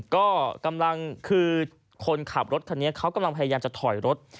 ก็กำลังคือคนขับรถคันนี้เขากำลังพยายามจะถอยรถ